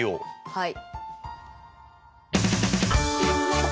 はい。